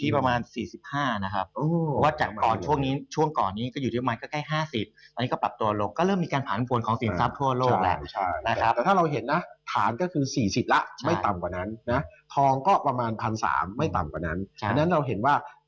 ผารก็คือ๔๐ละไม่ต่ำกว่านั้นทองก็ประมาณ๑๓๐๐ไม่ต่ำกว่านั้น